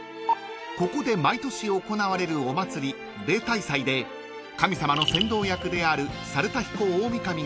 ［ここで毎年行われるお祭り例大祭で神様の先導役である］